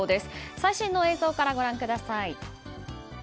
最新の映像からご覧ください。